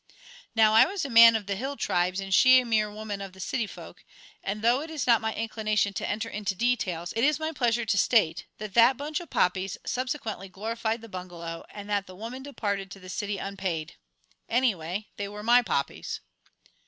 Now, I was a man of the hill tribes, and she a mere woman of the city folk, and though it is not my inclination to enter into details, it is my pleasure to state that that bunch of poppies subsequently glorified the bungalow and that the woman departed to the city unpaid. Anyway, they were my poppies.